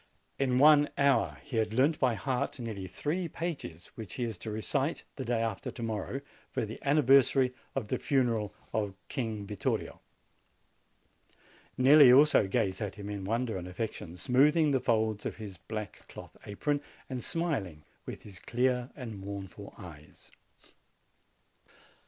In one hour he had learned by heart nearly three pages, which he is to recite the day after to morrow, for the anniversary of the funeral of King Vittorio. Nelli also gazed at o o him in wonder and affection, smoothing the folds of o his black cloth apron, and smiling with his clear and mournful eyes.